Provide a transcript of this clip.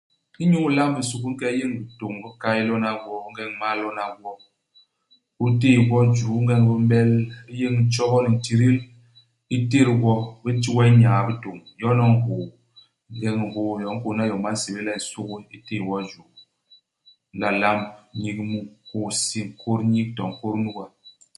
Inyu ilamb nsugi, u nke u yéñ bitôñ i bikay. U lona gwo. Ingeñ u m'mal lona gwo, u téé gwo i juu. Ingeñ bi m'bél, u yéñ ntjobo ni ntidil. U tét gwo. Bi nti we nyaa-bitôñ. Yon u nhôô. Ingeñ u nhôô yo, u nkôhna iyom ba nsébél le nsugi. U téé wo i juu. U nla lamb nyik mu, kôy-hisi, nkôt u nyik to nkôt u nuga.